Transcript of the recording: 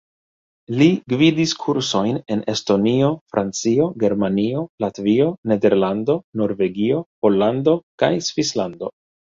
Li gvidis kursojn en Estonio, Francio, Germanio, Latvio, Nederlando, Norvegio, Pollando kaj Svislando.